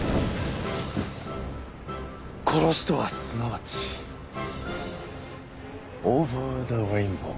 殺しとはすなわちオーバー・ザ・レインボー。